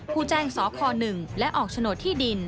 ผู้แจ้งสค๑และออกโฉนดที่ดิน